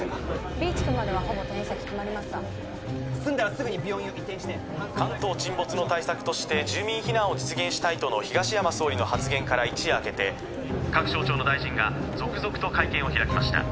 ・Ｂ地区まではほぼ転院先決まりました済んだらすぐに病院を移転して関東沈没の対策として住民避難を実現したいとの東山総理の発言から一夜明けて各省庁の大臣が続々と会見を開きました